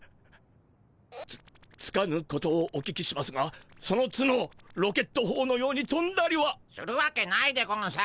つっつかぬことをお聞きしますがその角ロケットほうのようにとんだりは？するわけないでゴンス。